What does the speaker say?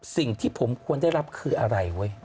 สิ่งที่ผมควรได้รับคืออะไรเว้ย